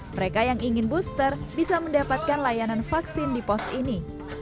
mereka yang ingin booster bisa mendapatkan layanan vaksin di pos ini